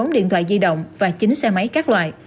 một mươi điện thoại di động và chín xe máy các loại